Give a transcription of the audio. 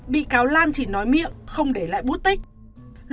bị cáo lan chỉ nói miệng không để lại bút tích